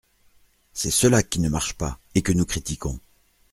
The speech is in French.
C’est cela qui ne marche pas, et que nous critiquons.